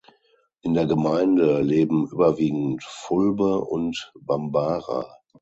In der Gemeinde leben überwiegend Fulbe und Bambara.